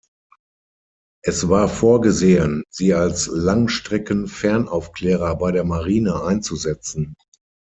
Es war vorgesehen, sie als Langstrecken-Fernaufklärer bei der Marine einzusetzen.